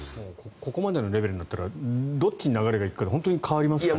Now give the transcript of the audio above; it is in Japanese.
ここまでの流れになったらどっちに流れが行くか本当に変わりますからね。